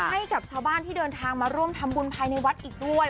ให้กับชาวบ้านที่เดินทางมาร่วมทำบุญภายในวัดอีกด้วย